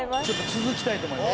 続きたいと思います。